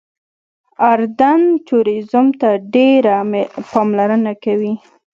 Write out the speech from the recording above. اردن ټوریزم ته ډېره پاملرنه کوي.